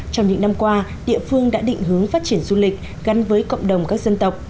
trong những năm qua địa phương đã định hướng phát triển du lịch gắn với cộng đồng các dân tộc